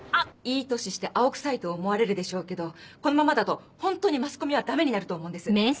いい年して青臭いと思われるでしょうけどこのままだとホントにマスコミはダメになると思うんです。